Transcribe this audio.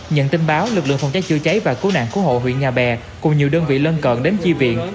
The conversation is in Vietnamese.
nhận tin báo lực lượng phòng cháy chữa cháy và cứu nạn cứu hộ huyện nhà bè cùng nhiều đơn vị lân cận đến chi viện